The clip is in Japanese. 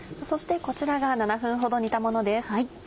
そしてこちらが７分ほど煮たものです。